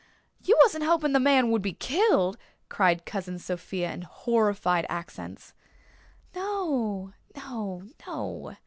"You wasn't hoping the man would be killed!" cried Cousin Sophia in horrified accents. "No no no!